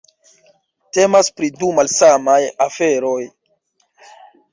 Temas pri du malsamaj aferoj.